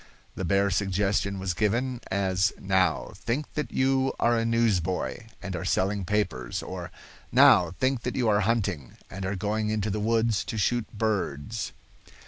The bare suggestion was given, as, "Now, think that you are a newsboy, and are selling papers," or, "Now think that you are hunting and are going into the woods to shoot birds."